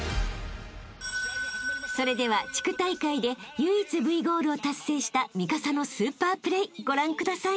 ［それでは地区大会で唯一Ｖゴールを達成した三笠のスーパープレイご覧ください］